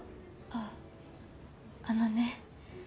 あっあのね